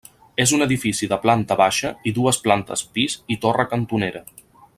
És un edifici de planta baixa i dues plantes pis i torre cantonera.